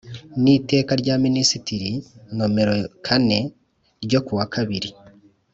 n Iteka rya Minisitiri nomero kane ryo kuwa kabiri